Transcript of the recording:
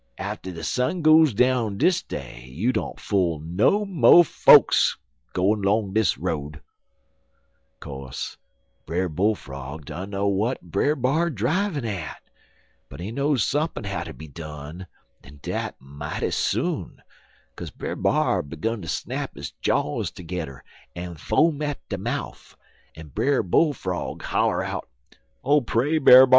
Atter de sun goes down dis day you don't fool no mo' folks gwine 'long dis road.' "Co'se, Brer Bull frog dunner w'at Brer B'ar drivin' at, but he know sump'n hatter be done, en dat mighty soon, kaze Brer B'ar 'gun to snap his jaws tergedder en foam at de mouf, en Brer Bull frog holler out: "'Oh, pray, Brer B'ar!